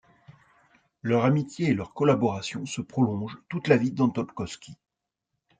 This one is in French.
Leur amitié et leur collaboration se prolonge toute la vie d'Antokolski.